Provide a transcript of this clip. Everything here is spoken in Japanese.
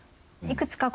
いくつか